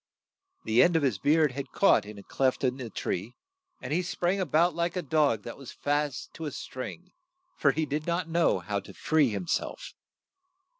The end of his beard had caught in a cleft in the tree, and he sprang a bout like a dog that was fast to a string, for he did not know how to free him self.